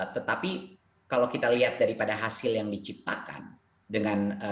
tetapi kalau kita lihat daripada hasil yang diciptakan dengan